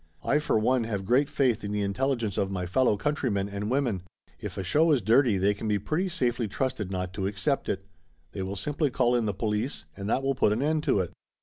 I for one have great faith in the intelligence of my fellow countrymen and women. If a show is dirty they can be pretty safely trusted not to accept it. They will simply call in the police, and that will put an end to it."